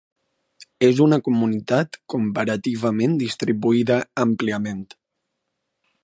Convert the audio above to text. És una comunitat comparativament distribuïda àmpliament.